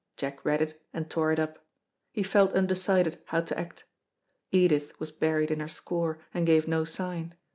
Jack read it and tore it up. He felt undecided how to act. Edith was buried in her score, and gave no sign.